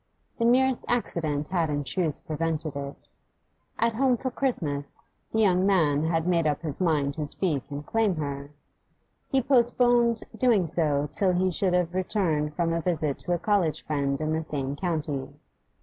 The merest accident had in truth prevented it. At home for Christmas, the young man had made up his mind to speak and claim her: he postponed doing so till he should have returned from a visit to a college friend in the same county.